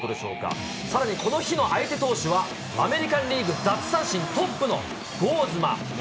さらにこの日の相手投手は、アメリカンリーグ奪三振トップのゴーズマン。